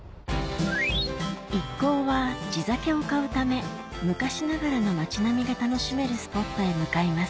一行は地酒を買うため昔ながらの町並みが楽しめるスポットへ向かいます